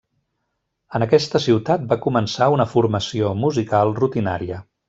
En aquesta ciutat va començar una formació musical rutinària.